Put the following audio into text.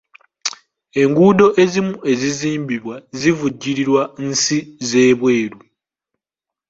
Enguudo ezimu ezizimbibwa zivujjirirwa nsi z'ebweru.